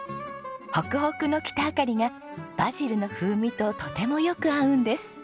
ホクホクのキタアカリがバジルの風味ととてもよく合うんです。